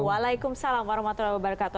waalaikumsalam warahmatullahi wabarakatuh